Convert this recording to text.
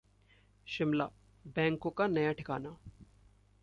शिमला: बैंकों का नया ठिकाना